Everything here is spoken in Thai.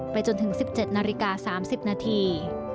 จนถึง๑๗นาฬิกา๓๐นาที